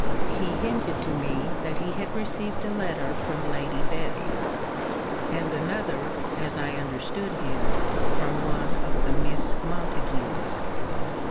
He hinted to me, that he had received a letter from Lady Betty, and another (as I understood him) from one of the Miss Montagues.